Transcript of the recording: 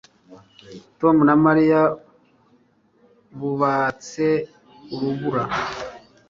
Tom na Mariya bubatse urubura